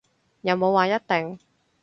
又冇話一定